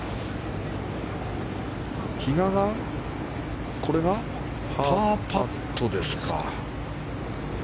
比嘉がこれがパーパットですか。